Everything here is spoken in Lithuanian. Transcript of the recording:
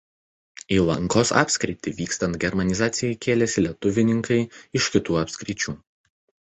Į Lankos apskritį vykstant germanizacijai kėlėsi lietuvininkai iš kitų apskričių.